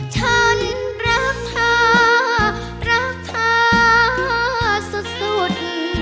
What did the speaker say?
ฉันรักเธอรักเธอสุด